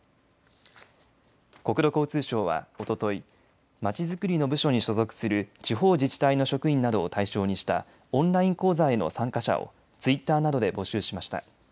国土交通省はおととい、街づくりの部署に所属する地方自治体の職員などを対象にしたオンライン講座への参加者をツイッターなどで募集しました。